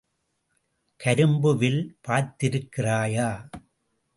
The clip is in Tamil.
கரும்பு வில் பார்த்திருக்கிறாயா?